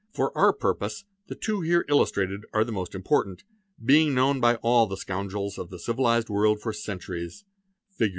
For our purpose the two here illustrated are the most important, being known by all the' scoundrels of the civilised world for centuries; Fig.